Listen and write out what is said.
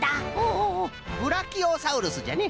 ほうブラキオサウルスじゃね。